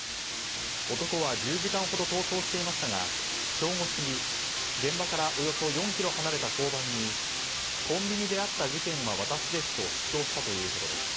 男は１０時間ほど逃走していましたが、正午過ぎ現場からおよそ４ｋｍ離れた交番にコンビニであった事件は私ですと出頭したということです。